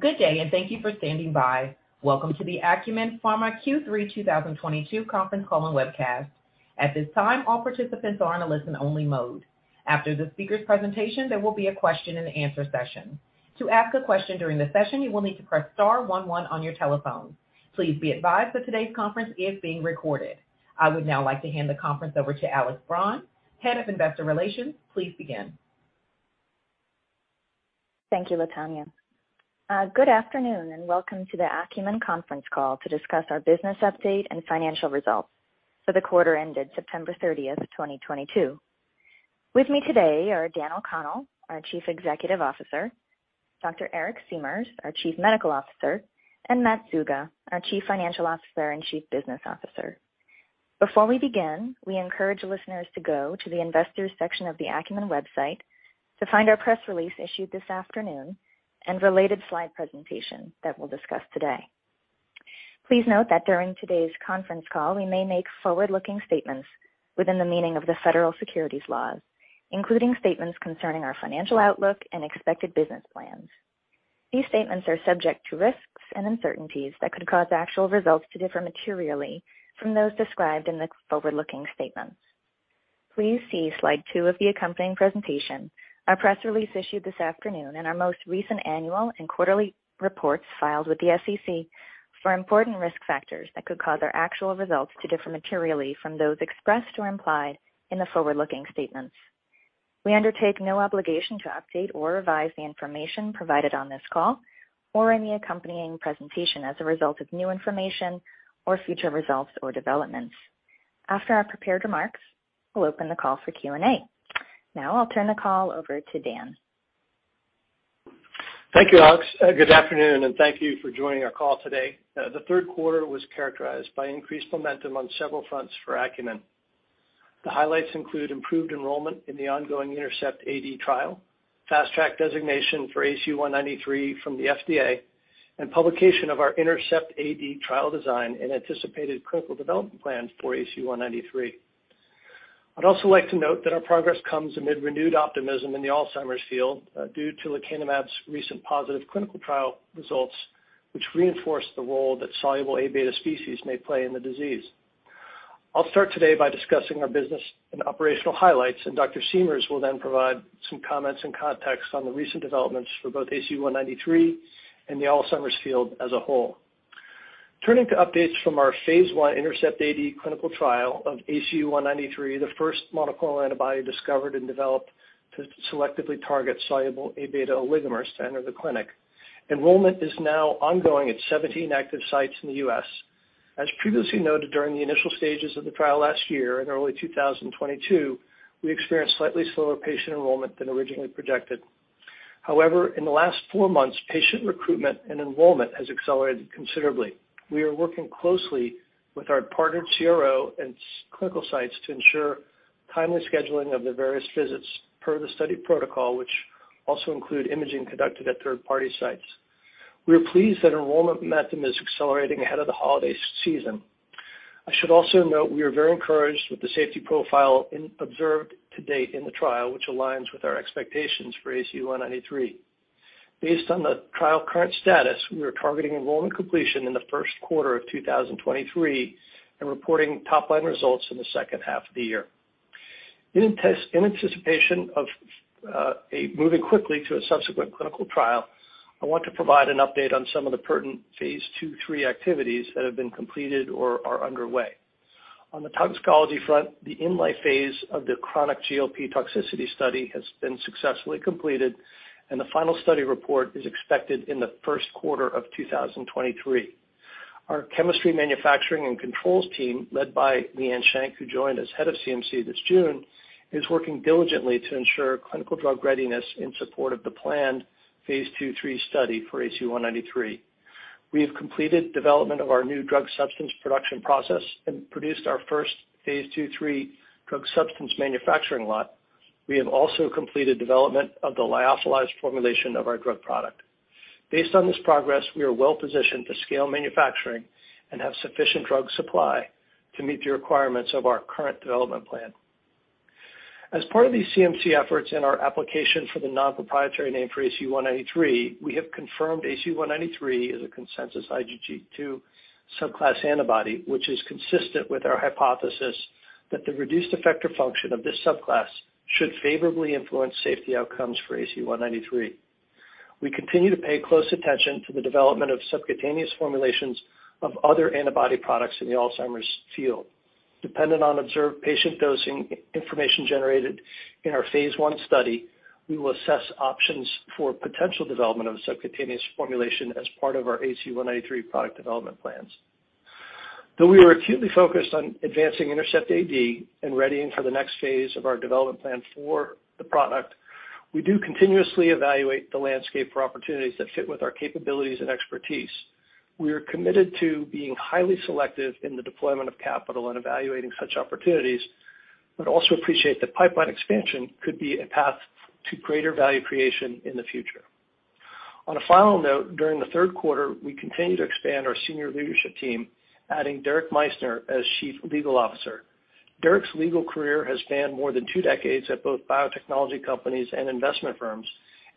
Good day, and thank you for standing by. Welcome to the Acumen Pharmaceuticals Q3 2022 conference call and webcast. At this time, all participants are on a listen-only mode. After the speaker's presentation, there will be a question-and-answer session. To ask a question during the session, you will need to press star one one on your telephone. Please be advised that today's conference is being recorded. I would now like to hand the conference over to Alex Braun, Head of Investor Relations. Please begin. Thank you, Latonya. Good afternoon, and welcome to the Acumen conference call to discuss our business update and financial results for the quarter ended September 30th, 2022. With me today are Daniel O'Connell, our Chief Executive Officer, Dr. Eric Siemers, our Chief Medical Officer, and Matthew Zuga, our Chief Financial Officer and Chief Business Officer. Before we begin, we encourage listeners to go to the investors section of the Acumen website to find our press release issued this afternoon and related slide presentation that we'll discuss today. Please note that during today's conference call, we may make forward-looking statements within the meaning of the federal securities laws, including statements concerning our financial outlook and expected business plans. These statements are subject to risks and uncertainties that could cause actual results to differ materially from those described in the forward-looking statements. Please see slide two of the accompanying presentation, our press release issued this afternoon and our most recent annual and quarterly reports filed with the SEC for important risk factors that could cause our actual results to differ materially from those expressed or implied in the forward-looking statements. We undertake no obligation to update or revise the information provided on this call or any accompanying presentation as a result of new information or future results or developments. After our prepared remarks, we'll open the call for Q&A. Now I'll turn the call over to Dan. Thank you, Alex. Good afternoon, and thank you for joining our call today. The third quarter was characterized by increased momentum on several fronts for Acumen. The highlights include improved enrollment in the ongoing INTERCEPT-AD trial, Fast Track designation for ACU193 from the FDA, and publication of our INTERCEPT-AD trial design and anticipated clinical development plans for ACU193. I'd also like to note that our progress comes amid renewed optimism in the Alzheimer's field, due to lecanemab's recent positive clinical trial results, which reinforce the role that soluble A-beta species may play in the disease. I'll start today by discussing our business and operational highlights, and Dr. Siemers will then provide some comments and context on the recent developments for both ACU193 and the Alzheimer's field as a whole. Turning to updates from our phase I INTERCEPT-AD clinical trial of ACU193, the first monoclonal antibody discovered and developed to selectively target soluble A-beta oligomers to enter the clinic. Enrollment is now ongoing at 17 active sites in the U.S. As previously noted during the initial stages of the trial last year in early 2022, we experienced slightly slower patient enrollment than originally projected. However, in the last four months, patient recruitment and enrollment has accelerated considerably. We are working closely with our partnered CRO and clinical sites to ensure timely scheduling of the various visits per the study protocol, which also include imaging conducted at third-party sites. We are pleased that enrollment momentum is accelerating ahead of the holiday season. I should also note we are very encouraged with the safety profile observed to date in the trial, which aligns with our expectations for ACU193. Based on the trial's current status, we are targeting enrollment completion in the first quarter of 2023 and reporting top-line results in the second half of the year. In anticipation of us moving quickly to a subsequent clinical trial, I want to provide an update on some of the pertinent phase II/III activities that have been completed or are underway. On the toxicology front, the in-life phase of the chronic GLP toxicity study has been successfully completed, and the final study report is expected in the first quarter of 2023. Our chemistry, manufacturing, and controls team, led by Liean Schenck, who joined as head of CMC this June, is working diligently to ensure clinical drug readiness in support of the planned phase II/III study for ACU193. We have completed development of our new drug substance production process and produced our first phase II/III drug substance manufacturing lot. We have also completed development of the lyophilized formulation of our drug product. Based on this progress, we are well positioned to scale manufacturing and have sufficient drug supply to meet the requirements of our current development plan. As part of these CMC efforts in our application for the non-proprietary name for ACU193, we have confirmed ACU193 is a consensus IgG2 subclass antibody, which is consistent with our hypothesis that the reduced effector function of this subclass should favorably influence safety outcomes for ACU193. We continue to pay close attention to the development of subcutaneous formulations of other antibody products in the Alzheimer's field. Dependent on observed patient dosing information generated in our phase I study, we will assess options for potential development of a subcutaneous formulation as part of our ACU193 product development plans. Though we are acutely focused on advancing INTERCEPT-AD and readying for the next phase of our development plan for the product, we do continuously evaluate the landscape for opportunities that fit with our capabilities and expertise. We are committed to being highly selective in the deployment of capital and evaluating such opportunities, but also appreciate that pipeline expansion could be a path to greater value creation in the future. On a final note, during the third quarter, we continued to expand our senior leadership team, adding Derek Meisner as Chief Legal Officer. Derek's legal career has spanned more than two decades at both biotechnology companies and investment firms,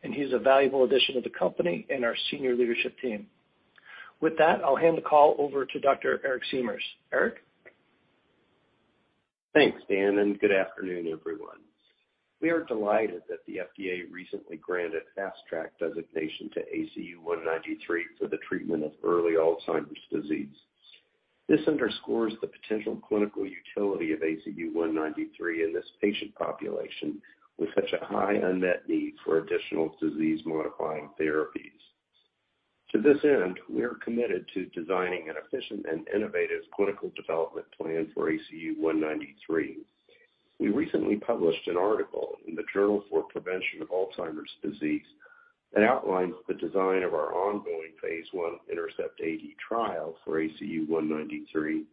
and he's a valuable addition to the company and our senior leadership team. With that, I'll hand the call over to Dr. Eric Siemers. Eric? Thanks, Dan, and good afternoon, everyone. We are delighted that the FDA recently granted Fast Track designation to ACU193 for the treatment of early Alzheimer's disease. This underscores the potential clinical utility of ACU193 in this patient population with such a high unmet need for additional disease-modifying therapies. To this end, we are committed to designing an efficient and innovative clinical development plan for ACU193. We recently published an article in the Journal of Prevention of Alzheimer's Disease that outlines the design of our ongoing phase I INTERCEPT-AD trial for ACU193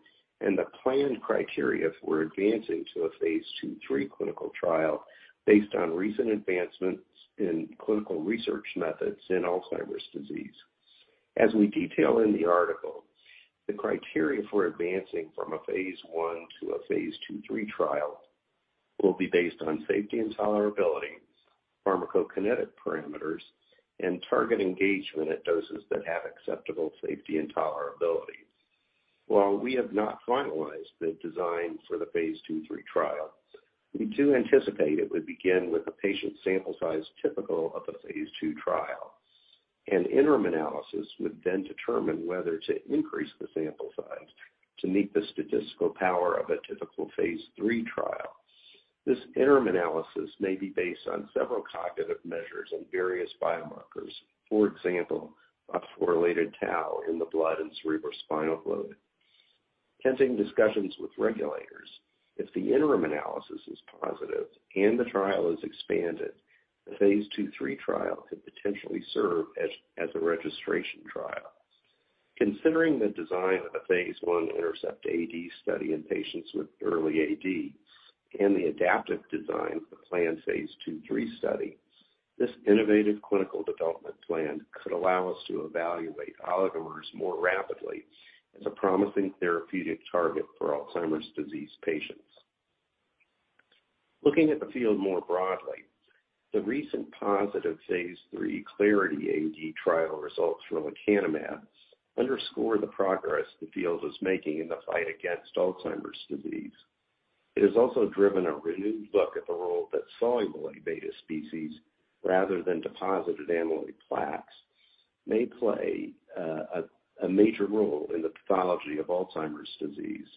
and the planned criteria for advancing to a phase II/III clinical trial based on recent advancements in clinical research methods in Alzheimer's disease. As we detail in the article, the criteria for advancing from a phase I to a phase II/III trial will be based on safety and tolerability, pharmacokinetic parameters, and target engagement at doses that have acceptable safety and tolerability. While we have not finalized the design for the phase II/III trial, we do anticipate it would begin with a patient sample size typical of a phase II trial. An interim analysis would then determine whether to increase the sample size to meet the statistical power of a typical phase III trial. This interim analysis may be based on several cognitive measures and various biomarkers. For example, a phospho-tau in the blood and cerebrospinal fluid. Pending discussions with regulators, if the interim analysis is positive and the trial is expanded, the phase II/III trial could potentially serve as a registration trial. Considering the design of a phase I INTERCEPT-AD study in patients with early AD and the adaptive design of the planned phase II/III study, this innovative clinical development plan could allow us to evaluate oligomers more rapidly as a promising therapeutic target for Alzheimer's disease patients. Looking at the field more broadly, the recent positive phase III Clarity AD trial results from lecanemab underscore the progress the field is making in the fight against Alzheimer's disease. It has also driven a renewed look at the role that soluble A-beta species rather than deposited amyloid plaques may play a major role in the pathology of Alzheimer's disease.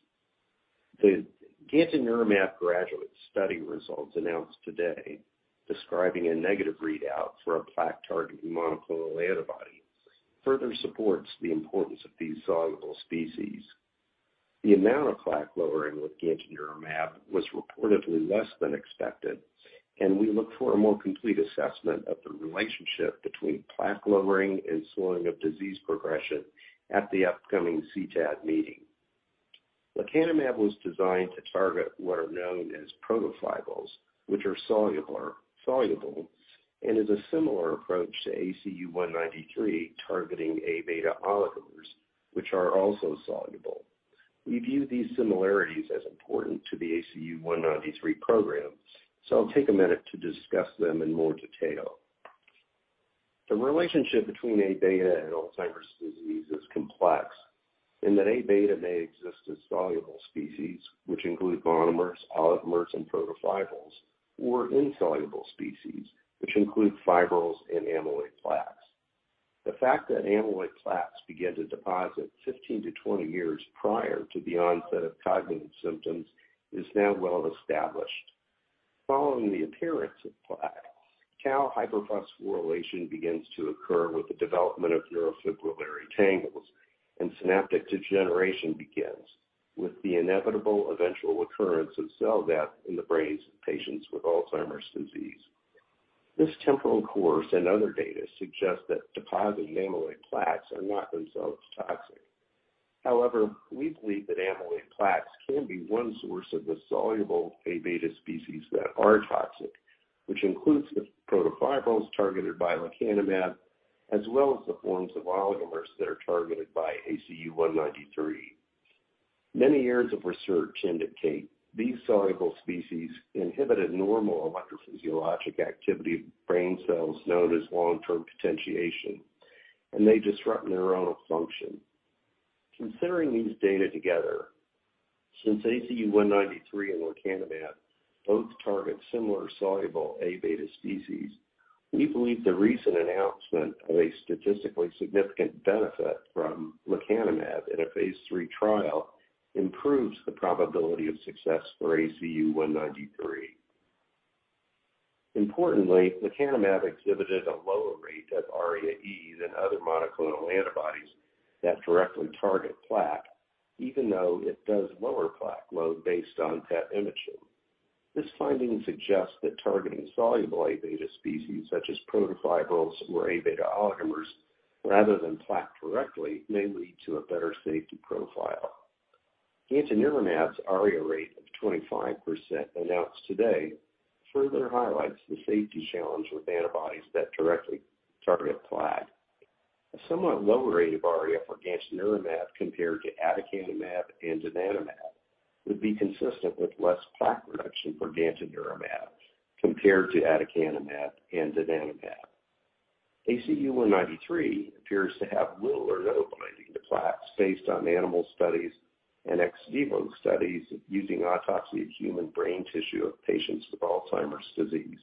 The gantenerumab GRADUATE study results announced today describing a negative readout for a plaque-targeting monoclonal antibody further supports the importance of these soluble species. The amount of plaque lowering with gantenerumab was reportedly less than expected, and we look for a more complete assessment of the relationship between plaque lowering and slowing of disease progression at the upcoming CTAD meeting. Lecanemab was designed to target what are known as protofibrils, which are soluble, and is a similar approach to ACU193 targeting A-beta oligomers, which are also soluble. We view these similarities as important to the ACU193 program, so I'll take a minute to discuss them in more detail. The relationship between A-beta and Alzheimer's disease is complex in that A-beta may exist as soluble species, which include monomers, oligomers, and protofibrils, or insoluble species, which include fibrils and amyloid plaques. The fact that amyloid plaques begin to deposit 15-20 years prior to the onset of cognitive symptoms is now well established. Following the appearance of plaques, tau hyperphosphorylation begins to occur with the development of neurofibrillary tangles, and synaptic degeneration begins with the inevitable eventual occurrence of cell death in the brains of patients with Alzheimer's disease. This temporal course and other data suggest that deposited amyloid plaques are not themselves toxic. However, we believe that amyloid plaques can be one source of the soluble A-beta species that are toxic, which includes the protofibrils targeted by lecanemab, as well as the forms of oligomers that are targeted by ACU193. Many years of research indicate these soluble species inhibit a normal electrophysiologic activity of brain cells known as long-term potentiation, and they disrupt neuronal function. Considering these data together, since ACU193 and lecanemab both target similar soluble A-beta species, we believe the recent announcement of a statistically significant benefit from lecanemab in a phase III trial improves the probability of success for ACU193. Importantly, lecanemab exhibited a lower rate of ARIA-E than other monoclonal antibodies that directly target plaque, even though it does lower plaque load based on PET imaging. This finding suggests that targeting soluble A-beta species such as protofibrils or A-beta oligomers rather than plaque directly may lead to a better safety profile. Gantenerumab's ARIA rate of 25% announced today further highlights the safety challenge with antibodies that directly target plaque. A somewhat lower rate of ARIA for gantenerumab compared to aducanumab and donanemab would be consistent with less plaque reduction for gantenerumab compared to aducanumab and donanemab. ACU193 appears to have little or no binding to plaques based on animal studies and ex-vivo studies using autopsied human brain tissue of patients with Alzheimer's disease.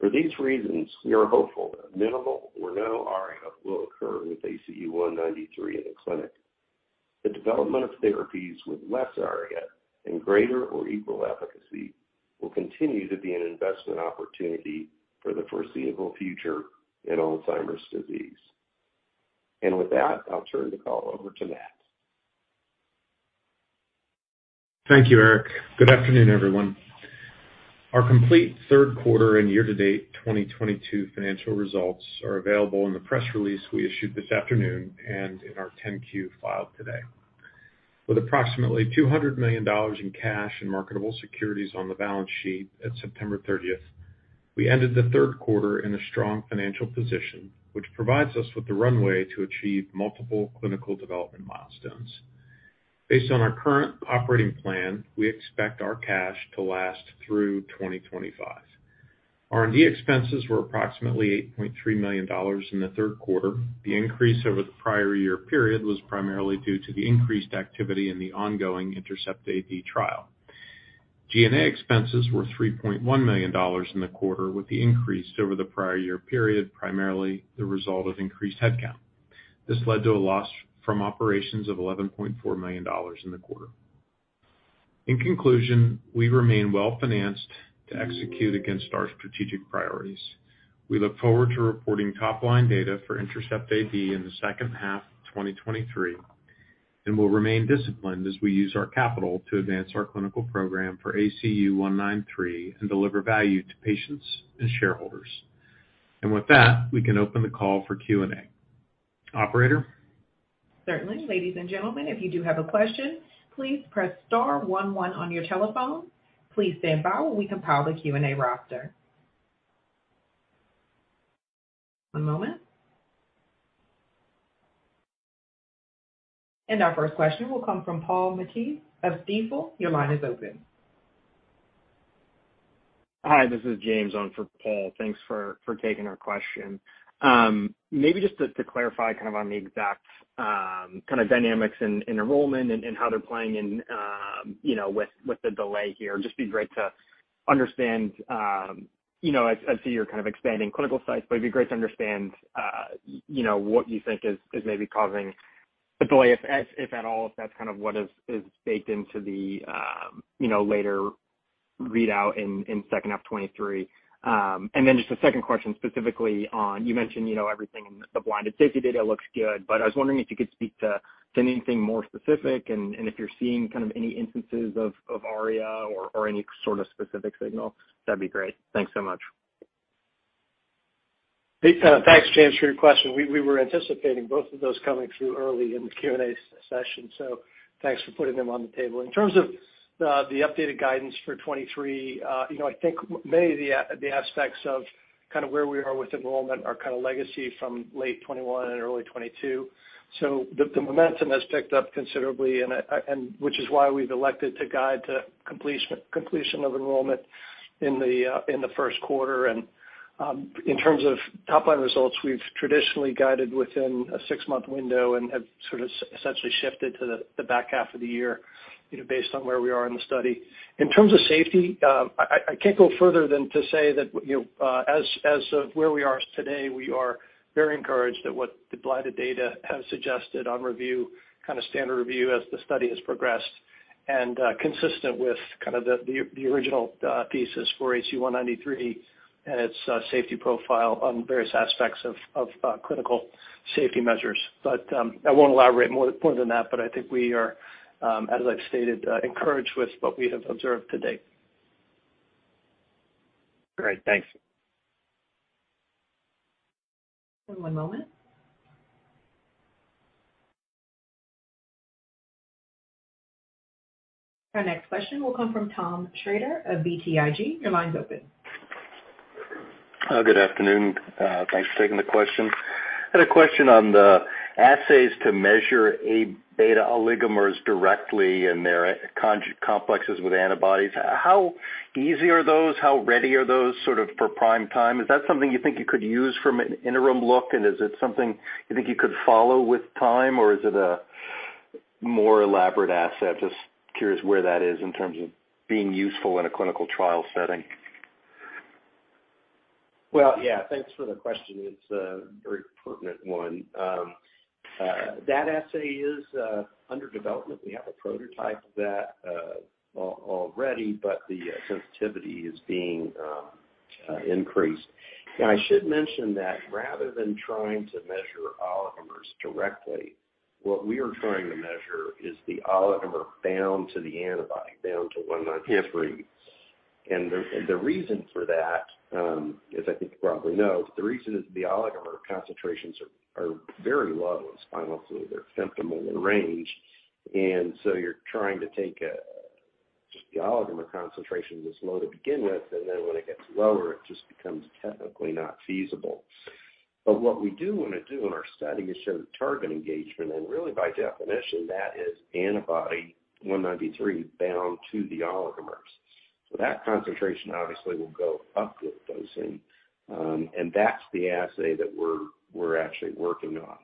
For these reasons, we are hopeful that minimal or no ARIA will occur with ACU193 in the clinic. The development of therapies with less ARIA and greater or equal efficacy will continue to be an investment opportunity for the foreseeable future in Alzheimer's disease. With that, I'll turn the call over to Matt. Thank you, Eric. Good afternoon, everyone. Our complete third quarter and year-to-date 2022 financial results are available in the press release we issued this afternoon and in our 10-Q filed today. With approximately $200 million in cash and marketable securities on the balance sheet at September 30, we ended the third quarter in a strong financial position, which provides us with the runway to achieve multiple clinical development milestones. Based on our current operating plan, we expect our cash to last through 2025. R&D expenses were approximately $8.3 million in the third quarter. The increase over the prior year period was primarily due to the increased activity in the ongoing INTERCEPT-AD trial. G&A expenses were $3.1 million in the quarter, with the increase over the prior year period primarily the result of increased headcount. This led to a loss from operations of $11.4 million in the quarter. In conclusion, we remain well-financed to execute against our strategic priorities. We look forward to reporting top line data for INTERCEPT-AD in the second half of 2023, and we'll remain disciplined as we use our capital to advance our clinical program for ACU193 and deliver value to patients and shareholders. With that, we can open the call for Q&A. Operator? Certainly. Ladies and gentlemen, if you do have a question, please press star one one on your telephone. Please stand by while we compile the Q&A roster. One moment. Our first question will come from Paul Matteis of Stifel. Your line is open. Hi, this is James on for Paul. Thanks for taking our question. Maybe just to clarify kind of on the exact kind of dynamics in enrollment and how they're playing in, you know, with the delay here. Just be great to understand, you know, I see you're kind of expanding clinical sites, but it'd be great to understand, you know, what you think is maybe causing the delay, if at all, if that's kind of what is baked into the, you know, later readout in second half 2023. Just a second question specifically on you mentioned, you know, everything in the blinded safety data looks good, but I was wondering if you could speak to anything more specific and if you're seeing kind of any instances of ARIA or any sort of specific signal, that'd be great. Thanks so much. Hey, thanks James for your question. We were anticipating both of those coming through early in the Q&A session, so thanks for putting them on the table. In terms of the updated guidance for 2023, you know, I think many of the aspects of kind of where we are with enrollment are kind of legacy from late 2021 and early 2022. The momentum has picked up considerably, which is why we've elected to guide to completion of enrollment in the first quarter. In terms of top line results, we've traditionally guided within a six-month window and have essentially shifted to the back half of the year, you know, based on where we are in the study. In terms of safety, I can't go further than to say that, you know, as of where we are today, we are very encouraged at what the blinded data have suggested on review, kind of standard review as the study has progressed and, consistent with kind of the original thesis for ACU193 and its safety profile on various aspects of clinical safety measures. I won't elaborate more than that, but I think we are, as I've stated, encouraged with what we have observed to date. Great. Thanks. One moment. Our next question will come from Thomas Shrader of BTIG. Your line's open. Good afternoon. Thanks for taking the question. I had a question on the assays to measure A-beta oligomers directly and their complexes with antibodies. How easy are those? How ready are those sort of for prime time? Is that something you think you could use from an interim look? Is it something you think you could follow with time or is it a more elaborate assay? Just curious where that is in terms of being useful in a clinical trial setting. Well, yeah. Thanks for the question. It's a very pertinent one. That assay is under development. We have a prototype of that already, but the sensitivity is being increased. Now, I should mention that rather than trying to measure oligomers directly, what we are trying to measure is the oligomer bound to the antibody, bound to one ninety-three. The reason for that, as I think you probably know, is the oligomer concentrations are very low in spinal fluid. They're subpicomolar in range, and so you're trying to take the oligomer concentration was low to begin with, and then when it gets lower, it just becomes technically not feasible. What we do wanna do in our study is show the target engagement and really by definition that is ACU193 bound to the oligomers. That concentration obviously will go up with dosing, and that's the assay that we're actually working on.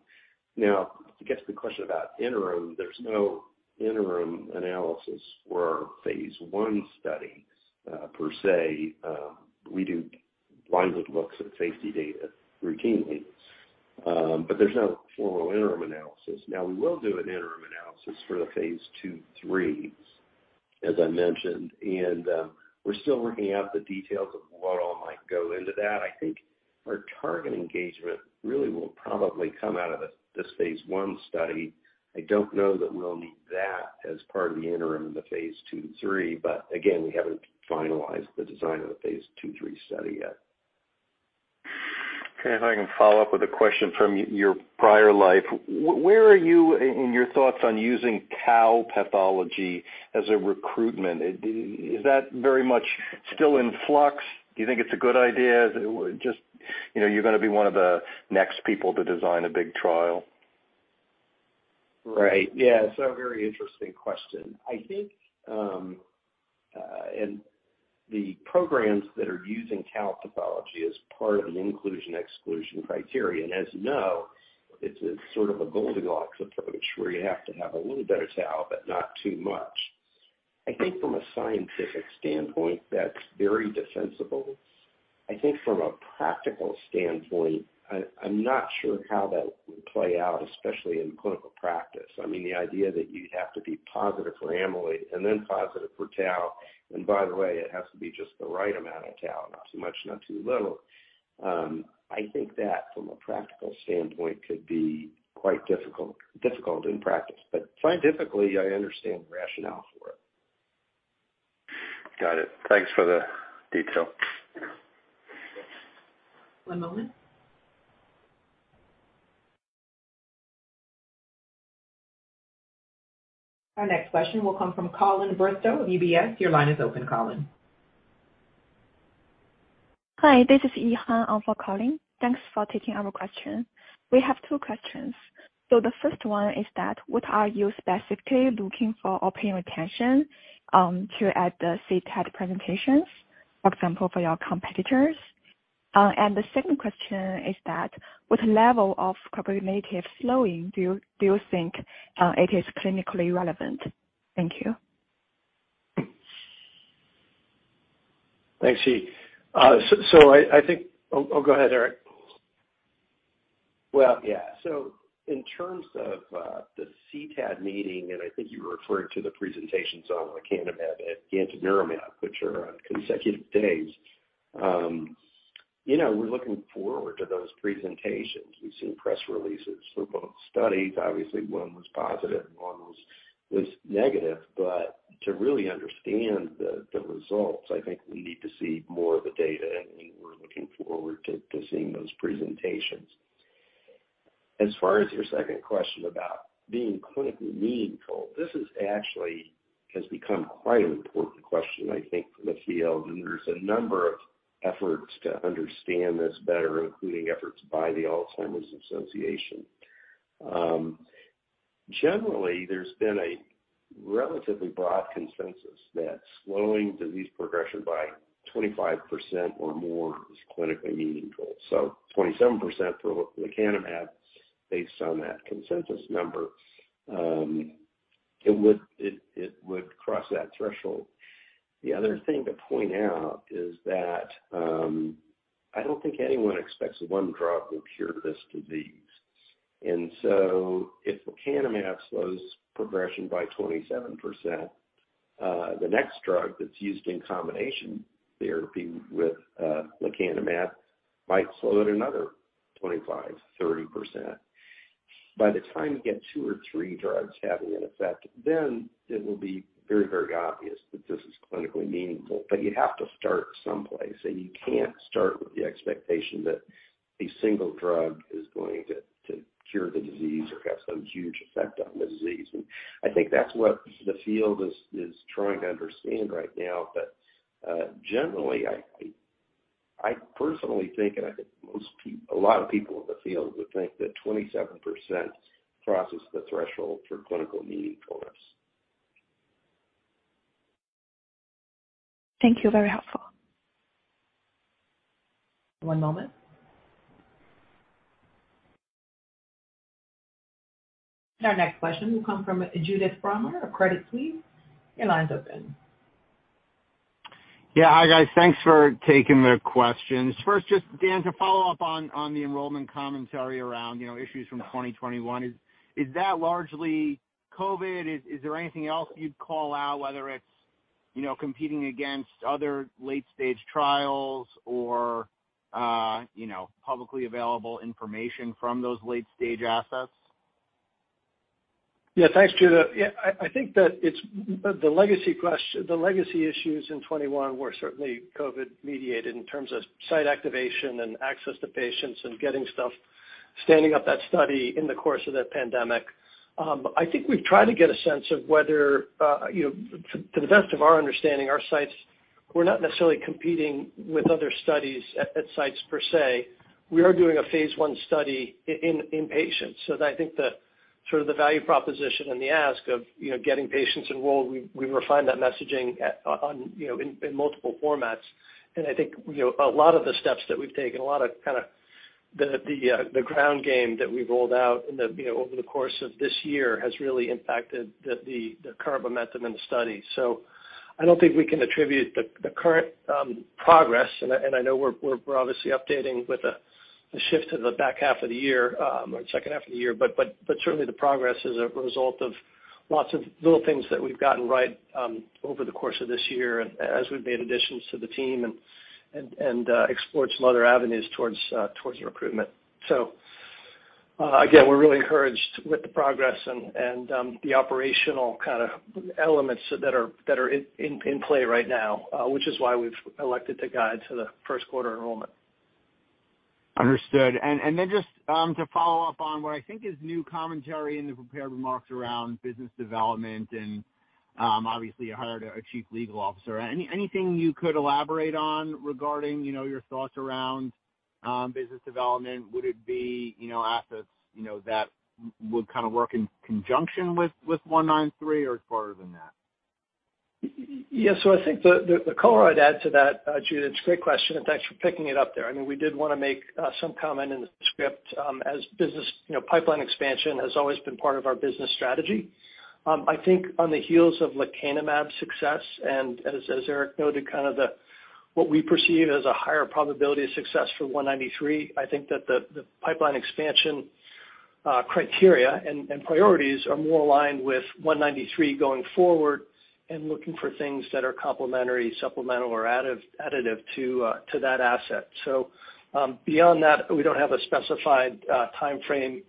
Now, to get to the question about interim, there's no interim analysis for our phase I studies, per se. We do blinded looks at safety data routinely. But there's no formal interim analysis. Now we will do an interim analysis for the phase II/IIIs, as I mentioned, and we're still working out the details of what all might go into that. I think our target engagement really will probably come out of this phase I study. I don't know that we'll need that as part of the interim in the phase II/III, but again, we haven't finalized the design of the phase II/III study yet. Okay, if I can follow up with a question from your prior life. Where are you in your thoughts on using tau pathology as a recruitment? Is that very much still in flux? Do you think it's a good idea? Is it just, you know, you're gonna be one of the next people to design a big trial? Right. Yeah. It's a very interesting question. I think, and the programs that are using tau pathology as part of an inclusion, exclusion criteria, and as you know, it's a sort of a Goldilocks approach where you have to have a little bit of tau but not too much. I think from a scientific standpoint, that's very defensible. I think from a practical standpoint, I'm not sure how that would play out, especially in clinical practice. I mean, the idea that you'd have to be positive for amyloid and then positive for tau, and by the way, it has to be just the right amount of tau, not too much, not too little. I think that from a practical standpoint could be quite difficult in practice, but scientifically, I understand the rationale for it. Got it. Thanks for the detail. One moment. Our next question will come from Colin Bristow of UBS. Your line is open, Colin. Hi, this is Yi He on for Colin Bristow. Thanks for taking our question. We have two questions. The first one is that, what are you specifically looking for opinion retention to add the CTAD presentations, for example, for your competitors? The second question is that, what level of cognitive slowing do you think it is clinically relevant? Thank you. Thanks, Yi. Go ahead, Eric. Well, yeah. In terms of the CTAD meeting, I think you were referring to the presentations on lecanemab and gantenerumab, which are on consecutive days. You know, we're looking forward to those presentations. We've seen press releases for both studies. Obviously, one was positive and one was negative. To really understand the results, I think we need to see more of the data, and we're looking forward to seeing those presentations. As far as your second question about being clinically meaningful, this actually has become quite an important question I think for the field, and there's a number of efforts to understand this better, including efforts by the Alzheimer's Association. Generally, there's been a relatively broad consensus that slowing disease progression by 25% or more is clinically meaningful. 27% for lecanemab based on that consensus number, it would cross that threshold. The other thing to point out is that, I don't think anyone expects one drug will cure this disease. If lecanemab slows progression by 27%, the next drug that's used in combination therapy with lecanemab might slow it another 25%-30%. By the time you get two or three drugs having an effect, then it will be very, very obvious that this is clinically meaningful. You have to start someplace, and you can't start with the expectation that a single drug is going to cure the disease or have some huge effect on the disease. I think that's what the field is trying to understand right now. But, generally I personally think, and I think a lot of people in the field would think that 27% crosses the threshold for clinical meaningfulness. Thank you. Very helpful. One moment. Our next question will come from Judah Elfenbein of Credit Suisse. Your line's open. Yeah. Hi, guys. Thanks for taking the questions. First, just Dan, to follow up on the enrollment commentary around, you know, issues from 2021. Is that largely COVID? Is there anything else you'd call out, whether it's, you know, competing against other late-stage trials or, you know, publicly available information from those late-stage assets? Yeah. Thanks, Judah. Yeah. I think that it's the legacy issues in 2021 were certainly COVID mediated in terms of site activation and access to patients and getting stuff. Standing up that study in the course of that pandemic. I think we've tried to get a sense of whether, you know, to the best of our understanding our sites, we're not necessarily competing with other studies at sites per se. We are doing a phase I study in patients. I think the sort of the value proposition and the ask of, you know, getting patients enrolled, we refined that messaging in multiple formats. I think, you know, a lot of the steps that we've taken, a lot of kinda the ground game that we've rolled out in the, you know, over the course of this year has really impacted the current momentum in the study. I don't think we can attribute the current progress, and I know we're obviously updating with the shift to the back half of the year or the second half of the year, but certainly the progress is a result of lots of little things that we've gotten right over the course of this year as we've made additions to the team and explored some other avenues towards recruitment. Again, we're really encouraged with the progress and the operational kind of elements that are in play right now, which is why we've elected to guide to the first quarter enrollment. Understood. Just to follow up on what I think is new commentary in the prepared remarks around business development and obviously you hired a chief legal officer. Anything you could elaborate on regarding, you know, your thoughts around business development? Would it be, you know, assets, you know, that would kind of work in conjunction with 193 or farther than that? Yes, I think the color I'd add to that, Judah Elfenbein, it's a great question, and thanks for picking it up there. I mean, we did wanna make some comment in the script as business, you know, pipeline expansion has always been part of our business strategy. I think on the heels of lecanemab success, and as Eric Siemers noted, kind of what we perceive as a higher probability of success for 193, I think that the pipeline expansion criteria and priorities are more aligned with 193 going forward and looking for things that are complementary, supplemental or additive to that asset. Beyond that, we don't have a specified timeframe.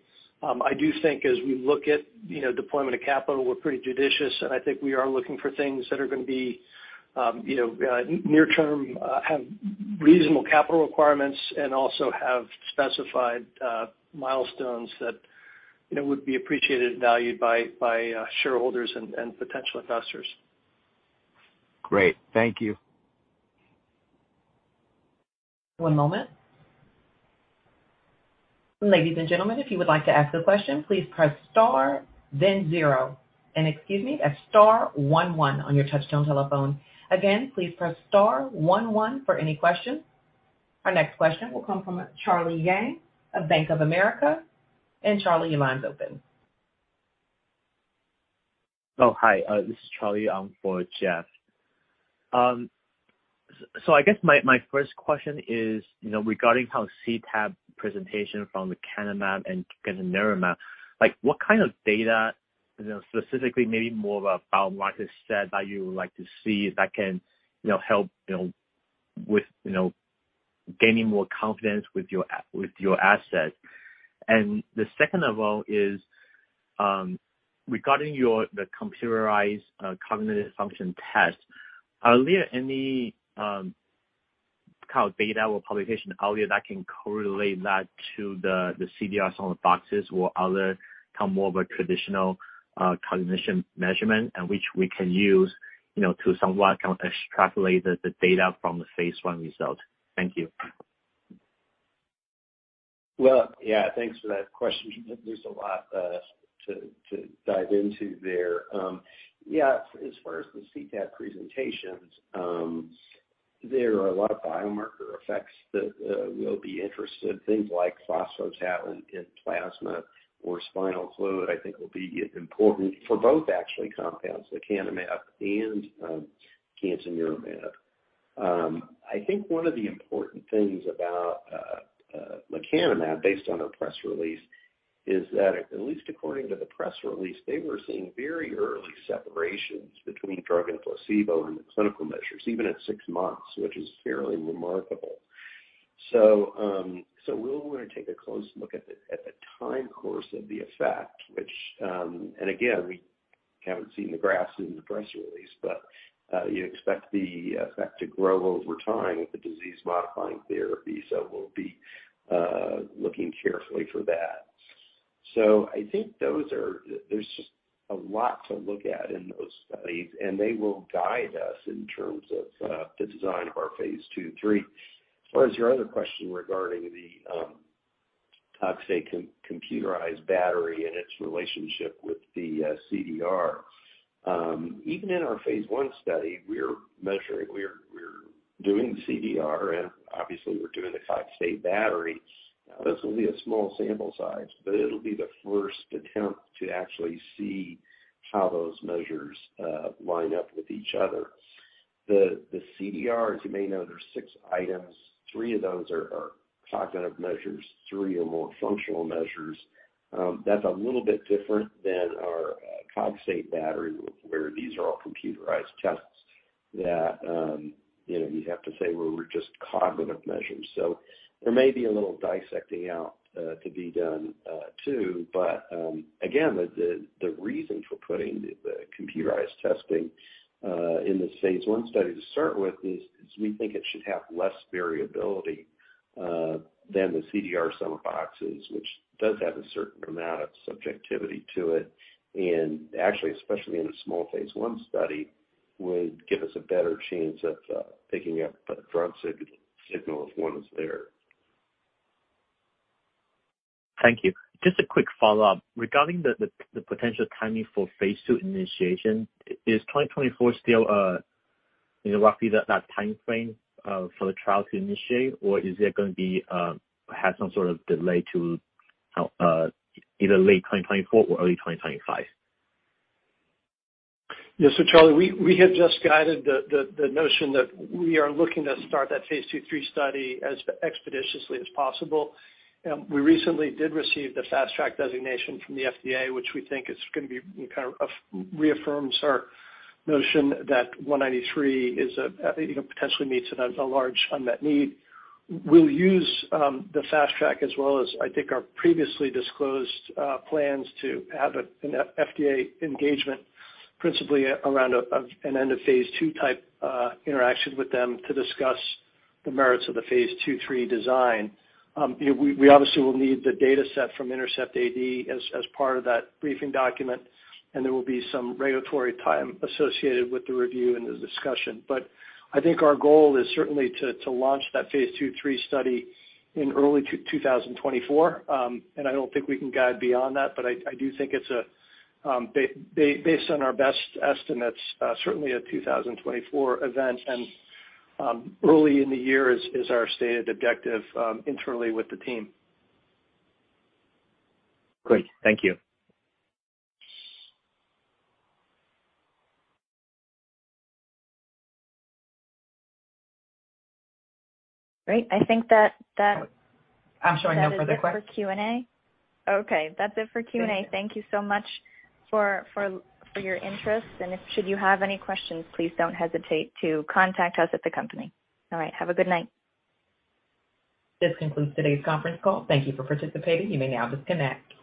I do think as we look at, you know, deployment of capital, we're pretty judicious, and I think we are looking for things that are gonna be, you know, near term, have reasonable capital requirements and also have specified milestones that, you know, would be appreciated and valued by shareholders and potential investors. Great. Thank you. One moment. Ladies and gentlemen, if you would like to ask a question, please press star then zero. Excuse me, that's star one one on your touchtone telephone. Again, please press star one one for any questions. Our next question will come from Charlie Yang of Bank of America. Charlie, your line's open. This is Charlie for Jeff. I guess my first question is, you know, regarding how CTAD presentation from lecanemab and gantenerumab, like, what kind of data, you know, specifically maybe more of a biomarker set that you would like to see if that can, you know, help, you know, with, you know, gaining more confidence with your asset. The second of all is, regarding the computerized cognitive function test, are there any kind of data or publication out there that can correlate that to the CDR Sum of Boxes or other kind of more of a traditional cognition measurement and which we can use, you know, to somewhat kind of extrapolate the data from the phase one result? Thank you. Well, yeah, thanks for that question. There's a lot to dive into there. Yeah, as far as the CTAD presentations, there are a lot of biomarker effects that we'll be interested. Things like phospho-tau in plasma or spinal fluid, I think will be important for both actually compounds, lecanemab and gantenerumab. I think one of the important things about lecanemab, based on their press release, is that at least according to the press release, they were seeing very early separations between drug and placebo in the clinical measures, even at six months, which is fairly remarkable. We'll wanna take a close look at the time course of the effect, which, and again, we haven't seen the graphs in the press release, but you expect the effect to grow over time with the disease-modifying therapy, so we'll be looking carefully for that. I think those are. There's just a lot to look at in those studies, and they will guide us in terms of the design of phase II, III. as far as your other question regarding the, I'll say, computerized battery and its relationship with the CDR, even in our phase I study, we're measuring, we're doing CDR, and obviously we're doing the Cogstate battery. This will be a small sample size, but it'll be the first attempt to actually see how those measures line up with each other. The CDR, as you may know, there's six items. Three of those are cognitive measures, three are more functional measures. That's a little bit different than our Cogstate battery, where these are all computerized tests that, you know, you'd have to say were just cognitive measures. So there may be a little dissecting out to be done. Again, the reason for putting the computerized testing in the phase I study to start with is we think it should have less variability than the CDR Sum of Boxes, which does have a certain amount of subjectivity to it. Actually, especially in a small phase I study, would give us a better chance at picking up a drug signal if one is there. Thank you. Just a quick follow-up. Regarding the potential timing for phase II initiation, is 2024 still, you know, roughly that time frame for the trial to initiate? Or is there gonna be some sort of delay to either late 2024 or early 2025? Charlie, we have just guided the notion that we are looking to start that phase II/III study as expeditiously as possible. We recently did receive the Fast Track designation from the FDA, which we think is gonna be kind of reaffirms our notion that ACU193 is a potentially meets a large unmet need. We'll use the Fast Track as well as I think our previously disclosed plans to have an FDA engagement principally around an end of phase II type interaction with them to discuss the merits of the phase II/III design. We obviously will need the dataset from INTERCEPT-AD as part of that briefing document, and there will be some regulatory time associated with the review and the discussion. I think our goal is certainly to launch that phase II/III study in early 2024. I don't think we can guide beyond that, but I do think it's based on our best estimates, certainly a 2024 event, and early in the year is our stated objective internally with the team. Great. Thank you. Great. I think that. I'm showing no further questions. That is it for Q&A. Okay. That's it for Q&A. Thank you so much for your interest. If you should have any questions, please don't hesitate to contact us at the company. All right. Have a good night. This concludes today's conference call. Thank you for participating. You may now disconnect.